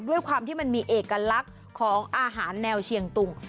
ด้วยความที่มันมีเอกลักษณ์ของอาหารแนวเชียงตุง